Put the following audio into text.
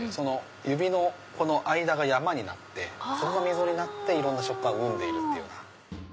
指の間が山になってそこが溝になっていろんな食感生んでいるような。